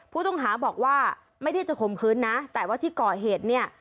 ผู้ต้องหาบอกว่าไม่ได้จะข่มขืนนะแต่ว่าที่ก่อเหตุเนี่ย